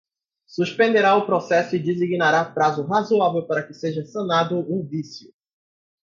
suspenderá o processo e designará prazo razoável para que seja sanado o vício.